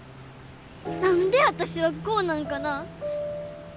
何で私はこうなんかな。